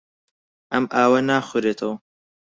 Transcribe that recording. ئەم ئاوە ناخورێتەوە.